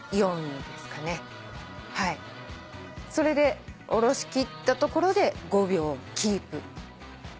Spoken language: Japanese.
それでおろしきったところで５秒キープ。